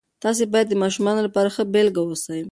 تاسې باید د ماشومانو لپاره ښه بیلګه اوسئ.